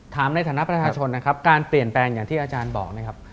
ถามในฐานะประชาชนนะครับการเปลี่ยนแปลงอย่างที่อาจารย์บอกนะครับ